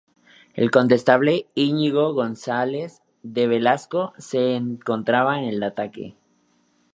El condestable Íñigo González de Velasco se encontraba en el ataque.